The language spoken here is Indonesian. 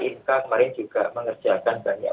inka kemarin juga mengerjakan banyak